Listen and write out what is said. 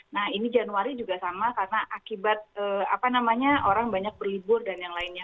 nah ini januari juga sama karena akibat apa namanya orang banyak berlibur dan yang lainnya